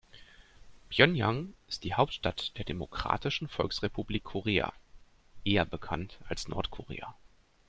Pjöngjang ist die Hauptstadt der Demokratischen Volksrepublik Korea, eher bekannt als Nordkorea.